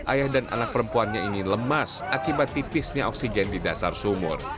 ayah dan anak perempuannya ini lemas akibat tipisnya oksigen di dasar sumur